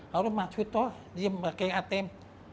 lalu masuk tol dia pakai atm